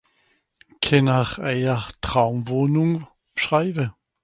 kenn'ar eijer Traumwohnùng b'schrieve